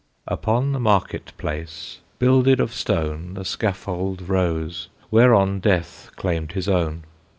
Upon the market place, builded of stone The scaffold rose, whereon Death claimed his own.